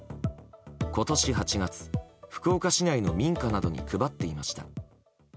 今年８月、福岡市内の民家などに配っていました。